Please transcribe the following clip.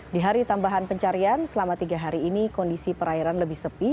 di hari tambahan pencarian selama tiga hari ini kondisi perairan lebih sepi